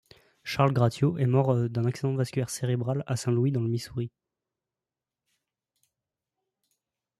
Charles Gratiot est mort d'un accident vasculaire cérébral à Saint-Louis dans le Missouri.